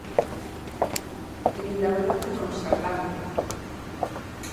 Linda ao norte con Salvande.